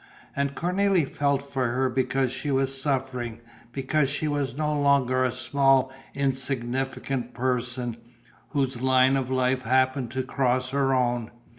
And Cornélie felt for her because she was suffering, because she was no longer a small insignificant person, whose line of life happened to cross her own.